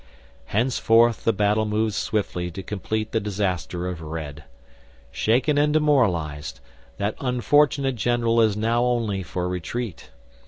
Henceforth the battle moves swiftly to complete the disaster of Red. Shaken and demoralised, that unfortunate general is now only for retreat.